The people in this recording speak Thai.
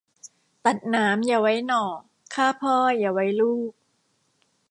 ตัดหนามอย่าไว้หน่อ ฆ่าพ่ออย่าไว้ลูก